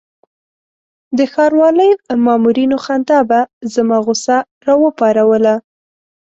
د ښاروالۍ مامورینو خندا به زما غوسه راپاروله.